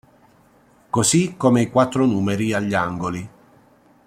Così come i quattro numeri agli angoli.